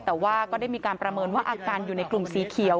แต่ว่าก็ได้มีการประเมินว่าอาการอยู่ในกลุ่มสีเขียว